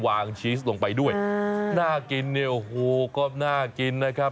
ชีสลงไปด้วยน่ากินเนี่ยโอ้โหก็น่ากินนะครับ